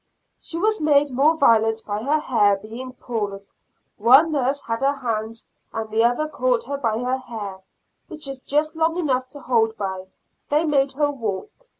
She was made more violent by her hair being pulled; one nurse had her hands, and the other caught her by her hair, which is just long enough to hold by. They made her walk.